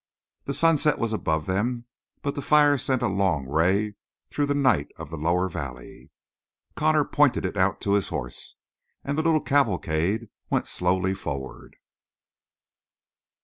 The sunset was above them, but the fire sent a long ray through the night of the lower valley. Connor pointed it out to his horse, and the little cavalcade went slowly forward.